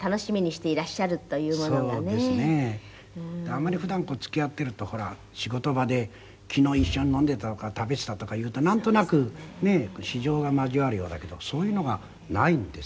あまり普段付き合っているとほら仕事場で「昨日一緒に飲んでた」とか「食べてた」とか言うとなんとなくねえ私情が交わるようだけどそういうのがないんですね。